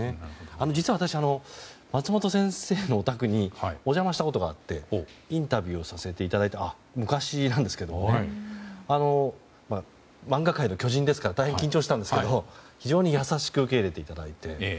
実は私、松本先生のお宅にお邪魔したことがあってインタビューをさせていただいて漫画界の巨人ですから大変緊張したんですけど非常に優しく受け入れていただいて。